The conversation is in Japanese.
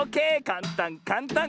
かんたんかんたん。